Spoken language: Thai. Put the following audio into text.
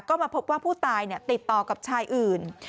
ก็มาพบว่าผู้ตายติดต่อกับชายอื่น